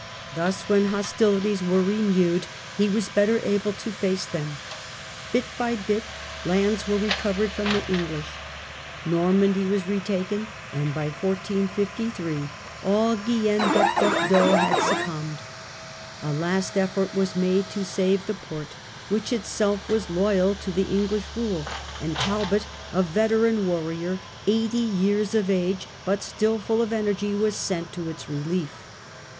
Thus when hostilities were renewed he was better able to face them. Bit by bit lands were recovered from the English. Normandy Loss of was retaken and by 1453 all Guienne but Bordeaux had polessionH succumbed. A last effort was made to save the port, "^^•"^""'^ which itself was loyal to the English rule, and Talbot, a veteran warrior eighty years of age, but still full of energy, was sent to its relief.